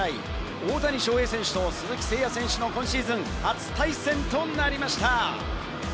大谷翔平選手と鈴木誠也選手の今シーズン初対戦となりました。